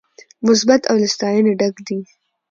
مثبت او له ستاينې ډک دي